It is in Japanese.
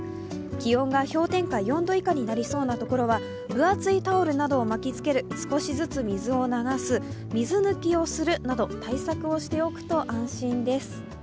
気温が氷点下４度以下になりそうなところは分厚いタオルなどを巻きつける、少しずつ水を流す、水抜きをするなど、対策をしておくと安心です。